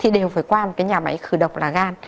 thì đều phải qua một cái nhà máy khử độc là gan